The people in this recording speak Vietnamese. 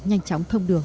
nhanh chóng thông đường